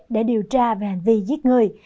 để điều tra về hành vi giết người